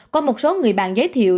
có một số người bạn giới thiệu